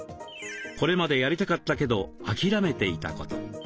これまでやりたかったけどあきらめていたこと。